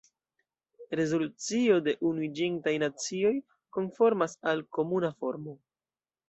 Rezolucio de Unuiĝintaj Nacioj konformas al komuna formo.